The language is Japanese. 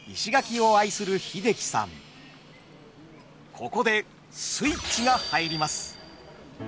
ここでスイッチが入ります。